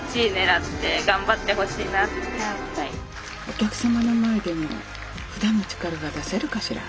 お客様の前でもふだんの力が出せるかしら。